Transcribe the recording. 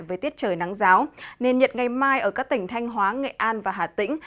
với tiết trời nắng giáo nền nhiệt ngày mai ở các tỉnh thanh hóa nghệ an và hà tĩnh